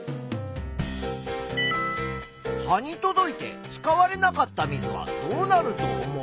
葉に届いて使われなかった水はどうなると思う？